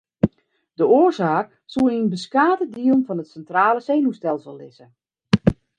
De oarsaak soe yn beskate dielen fan it sintrale senuwstelsel lizze.